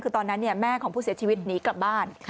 คือตอนนั้นแม่ของผู้เสียชีวิตหนีกลับบ้าน